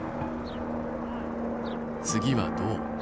次は銅。